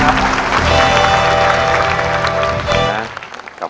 ไม่ใช่นะ